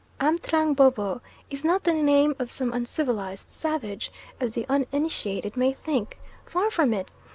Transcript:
"Amtrang Boboh" is not the name of some uncivilised savage, as the uninitiated may think; far from it.